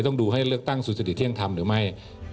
ต้องดูให้เลือกตั้งสุจริตเที่ยงธรรมหรือไม่